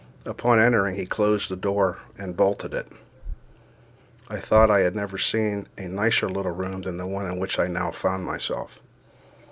Upon entering, he closed the door and bolted it. I thought I had never seen a nicer little room than the one in which I now found myself.